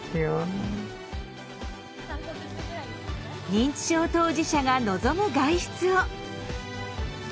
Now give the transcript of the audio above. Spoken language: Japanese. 認知症当事者が望む外出を。